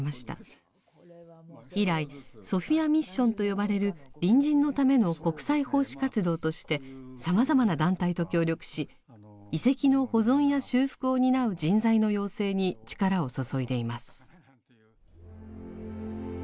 以来「ソフィア・ミッション」と呼ばれる隣人のための国際奉仕活動としてさまざまな団体と協力し遺跡の保存や修復を担う人材の養成に力を注いでいます。